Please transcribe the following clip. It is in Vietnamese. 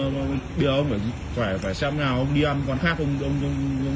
không bây giờ ông phải xem nào ông đi ăn quán khác ông phải cẩn thận